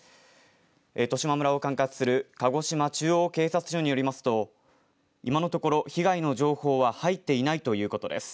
十島村を管轄する鹿児島中央警察署によりますと今のところ被害の情報は入っていないということです。